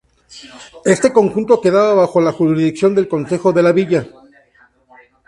Este conjunto quedaba bajo la jurisdicción del concejo de la villa.